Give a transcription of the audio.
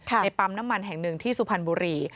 ในปั๊มน้ำมันแห่งหนึ่งที่สุพรรณบุรี